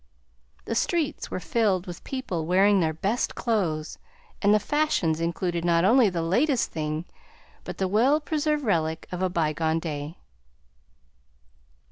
The streets were filled with people wearing their best clothes, and the fashions included not only "the latest thing," but the well preserved relic of a bygone day.